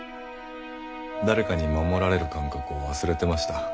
誰かに守られる感覚を忘れてました。